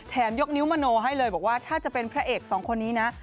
ยกนิ้วมโนให้เลยบอกว่าถ้าจะเป็นพระเอกสองคนนี้นะ